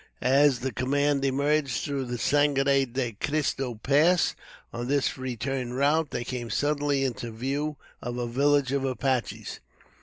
As the command emerged through the "Sangre de Christo Pass," on their return route, they came suddenly into view of a village of Apaches.